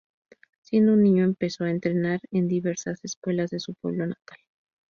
Siendo un niño empezó a entrenar en diversas escuelas de su pueblo natal.